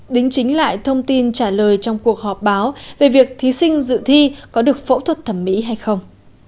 đính chính lại thông tin trả lời trong cuộc họp báo về việc thí sinh dự thi có được phẫu thuật thẩm mỹ hay không